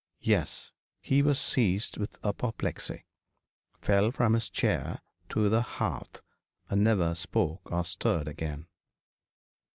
'Yes. He was seized with apoplexy fell from his chair to the hearth, and never spoke or stirred again.'